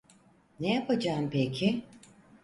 Ne yapacağım peki?